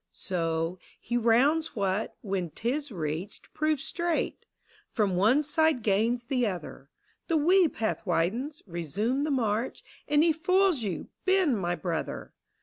So, he rounds what, when 'tis reached, proves straight, Prom one side gains the other: The wee path widens — resume the march, And he foils you, Ben my brother!